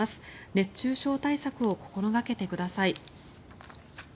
熱中症対策を心掛けてください。